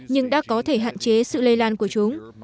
nhưng đã có thể hạn chế sự lây lan của chúng